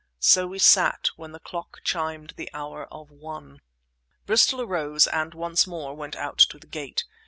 So we sat when the clock chimed the hour of one. Bristol arose and once more went out to the gate.